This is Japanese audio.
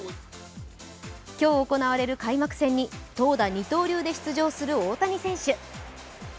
今日行われる開幕戦に投打二刀流で出場する大谷選手。